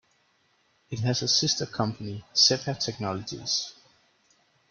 It has a sister company, Xepa Technologies.